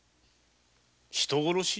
人殺し！？